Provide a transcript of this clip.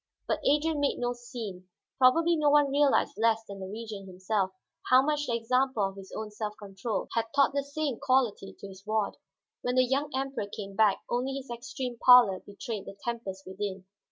But Adrian made no scene. Probably no one realized less than the Regent himself how much the example of his own self control had taught the same quality to his ward. When the young Emperor came back, only his extreme pallor betrayed the tempest within.